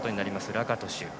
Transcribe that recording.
ラカトシュ。